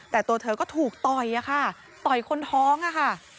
แต่ตัวเธอก็ถูกต่อยอะค่ะต่อยคนท้องอะค่ะ